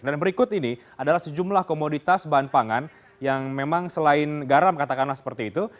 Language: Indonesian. dan berikut ini adalah sejumlah komoditas bahan pangan yang memang selain garam katakanlah seperti itu